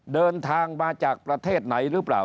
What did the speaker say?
เดินทางมาจากประเทศไหนหรือเปล่า